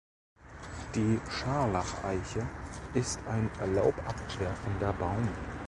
Die Scharlach-Eiche ist ein laubabwerfender Baum.